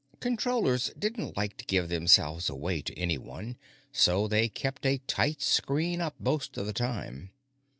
Controllers didn't like to give themselves away to anyone, so they kept a tight screen up most of the time.